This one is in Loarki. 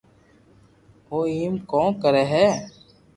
او ايم ڪون ڪري ھي